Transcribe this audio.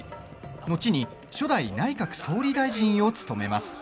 後に初代内閣総理大臣を務めます。